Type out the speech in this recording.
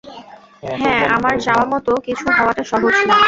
হ্যাঁ, আমার চাওয়ামতো কিছু হওয়াটা সহজ না!